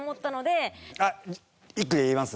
あっ一句で言えます？